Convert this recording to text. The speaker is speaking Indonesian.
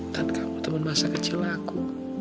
dan kamu teman masa kecil aku